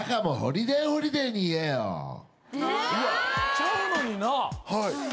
ちゃうのになぁ。